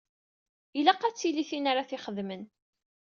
Ilaq ad tili tin ara t-ixedmen.